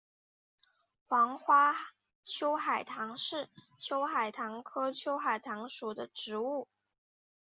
黄花秋海棠是秋海棠科秋海棠属的植物。